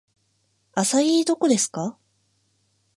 アサイーどこですか